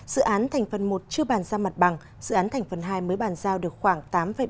dự án thành phần một chưa bàn giao mặt bằng dự án thành phần hai mới bàn giao được khoảng tám bảy mươi bốn